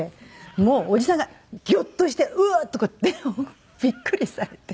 もうおじさんがギョッとして「うわっ」とかってびっくりされて。